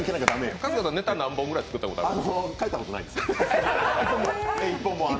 春日さんネタ、何本くらい書いたことあるの？